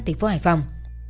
tỉnh phố hải phòng